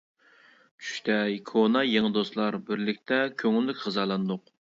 چۈشتە كونا يېڭى دوستلار بىرلىكتە كۆڭۈللۈك غىزالاندۇق.